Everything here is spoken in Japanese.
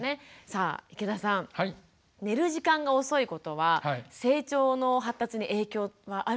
さあ池田さん寝る時間が遅いことは成長の発達に影響はあるんですか？